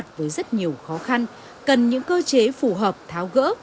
đối mặt với rất nhiều khó khăn cần những cơ chế phù hợp tháo gỡ